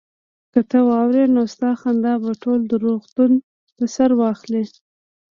که ته واورې نو ستا خندا به ټول روغتون په سر واخلي